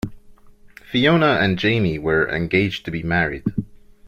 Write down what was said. Fiona and Jamie were engaged to be married.